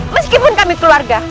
meskipun kami keluarga